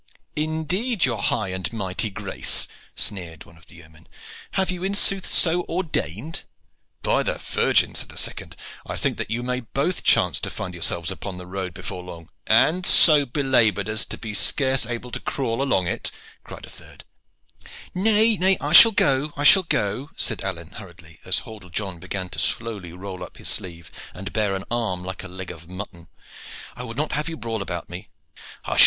"Indeed, your high and mighty grace," sneered one of the yeomen, "have you in sooth so ordained?" "By the Virgin!" said a second, "I think that you may both chance to find yourselves upon the road before long." "And so belabored as to be scarce able to crawl along it," cried a third. "Nay, I shall go! I shall go!" said Alleyne hurriedly, as Hordle John began to slowly roll up his sleeve, and bare an arm like a leg of mutton. "I would not have you brawl about me." "Hush!